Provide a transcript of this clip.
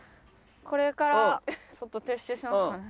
これからちょっと撤収しますかね。